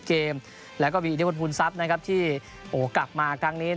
เกมแล้วก็มีอิทธิพลภูมิทรัพย์นะครับที่กลับมาครั้งนี้